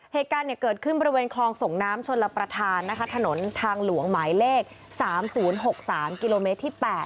เหตุการณ์เกิดขึ้นบริเวณคลองส่งน้ำชนรับประทานถนนทางหลวงหมายเลข๓๐๖๓กิโลเมตรที่๘